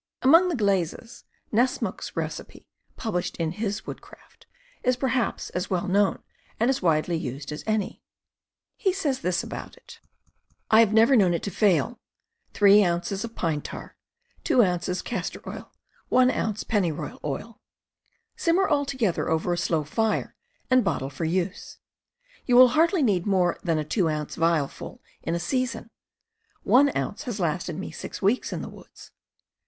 Among the glazes, Nessmuk's recipe, published in his Woodcraft, is perhaps as well known and as widely used as any. He says this about it: I have never known it to fail: 3 oz. pine tar, 2 oz. castor oil, 1 oz. pennyroyal oil. Simmer all together over a slow fire, and bottle for use. You will hardly need more than a 2 oz. vial full in a season. One ounce has lasted me six weeks in the woods.